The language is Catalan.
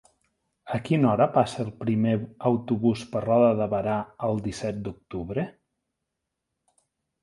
A quina hora passa el primer autobús per Roda de Berà el disset d'octubre?